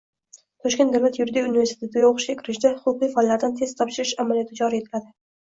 Toshkent davlat yuridik universitetiga o‘qishga kirishda huquqiy fanlardan test topshirish amaliyoti joriy etiladi